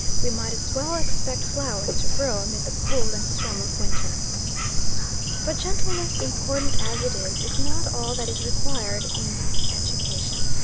We might as well expect flowers to grow amid the cold and storm of winter. "But gentleness, important as it is, is not all that is required in education.